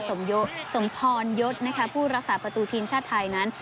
สมพรยศผู้รักษาประตูทีมชาติไทยนั้น